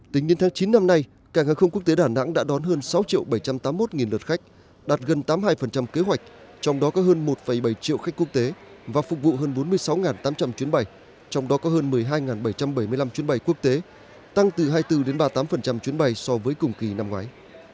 tính đến tháng chín năm nay cảng hàng không quốc tế đà nẵng đã đón hơn sáu bảy trăm tám mươi một lượt khách đạt gần tám mươi hai kế hoạch trong đó có hơn một bảy triệu khách quốc tế và phục vụ hơn bốn mươi sáu tám trăm linh chuyến bay trong đó có hơn một mươi hai bảy trăm bảy mươi năm chuyến bay quốc tế tăng từ hai mươi bốn đến ba mươi tám chuyến bay so với cùng kỳ năm ngoái